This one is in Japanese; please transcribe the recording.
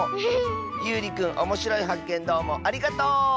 ゆうりくんおもしろいはっけんどうもありがとう！